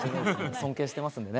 尊敬してますからね。